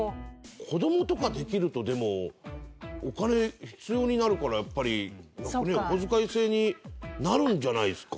子供とかできるとでもお金必要になるからやっぱりこづかい制になるんじゃないですか？